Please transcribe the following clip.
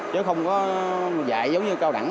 chứ không có dạy giống như cao đẳng